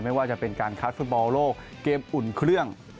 ไม่ว่าจะเป็นการคัดฟุตบอลโลกเกมอุ่นเครื่อง